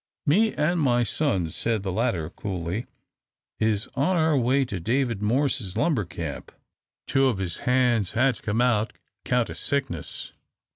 "Me an' my sons," said the latter, coolly, "is on our way to David Morse's lumber camp. Two of his hands had to come out 'count o' sickness.